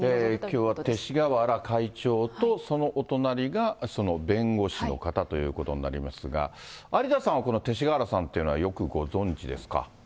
きょうは勅使河原会長と、そのお隣が弁護士の方ということになりますが、有田さんはこの勅使河原さんというのは、よくご存じですか？